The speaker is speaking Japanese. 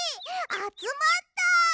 あつまった！